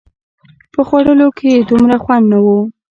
په خوړلو کښې يې دومره خوند نه و.